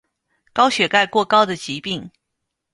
高血钙过高的疾病。